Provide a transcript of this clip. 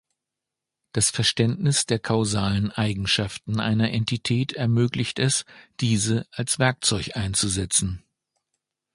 Das Verständnis der kausalen Eigenschaften einer Entität ermöglicht es, diese als Werkzeug einzusetzen.